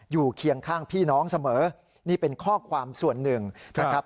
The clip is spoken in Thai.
เคียงข้างพี่น้องเสมอนี่เป็นข้อความส่วนหนึ่งนะครับ